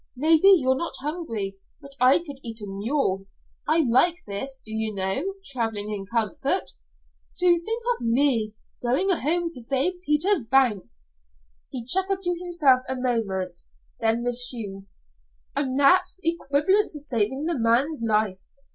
Maybe you're not hungry, but I could eat a mule. I like this, do you know, traveling in comfort! To think of me going home to save Peter's bank!" He chuckled to himself a moment; then resumed: "And that's equivalent to saving the man's life.